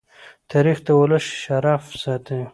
تاریخ د ولس شرف ساتي.